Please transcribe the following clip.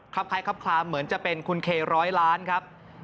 คล้ายครับคลามเหมือนจะเป็นคุณเคร้อยล้านครับ